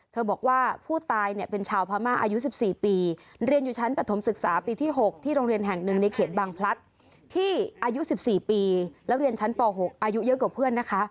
บอกว่าผู้ตายเนี่ยเป็นชาวพม่าอายุ๑๔ปีเรียนอยู่ชั้นปฐมศึกษาปีที่๖ที่โรงเรียนแห่งหนึ่งในเขตบางพลัดที่อายุ๑๔ปีแล้วเรียนชั้นป๖อายุเยอะกว่าเพื่อนนะคะ